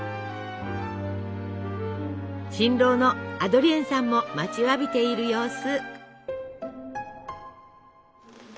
新郎のアドリエンさんも待ちわびている様子。